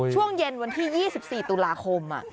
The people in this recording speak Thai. ช่วงเย็นวันที่๒๔ตุลาคม